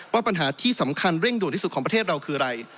ว่าปัญหาที่สำคัญเร่งด่วนที่สุดของประเทศเราคืออะไร